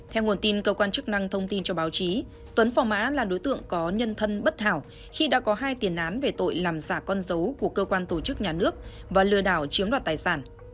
theo nguồn tin cơ quan chức năng thông tin cho báo chí tuấn phong mã là đối tượng có nhân thân bất hảo khi đã có hai tiền án về tội làm giả con dấu của cơ quan tổ chức nhà nước và lừa đảo chiếm đoạt tài sản